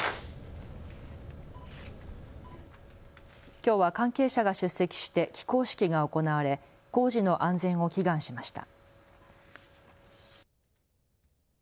きょうは関係者が出席して起工式が行われ工事の安全を祈願しました。